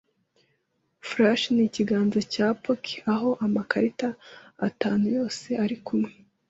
Flush ni ikiganza cya poker aho amakarita atanu yose arikumwe.